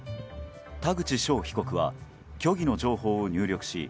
田口翔被告は虚偽の情報を入力し